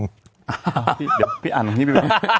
เดี๋ยวพี่อ่านตรงนี้ไป